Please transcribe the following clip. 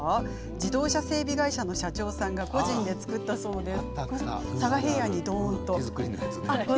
自動車整備会社の社長さんが個人で作ったそうです。